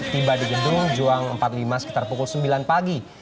tiba di gedung juang empat puluh lima sekitar pukul sembilan pagi